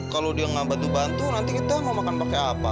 kalau dia nggak bantu bantu nanti kita mau makan pakai apa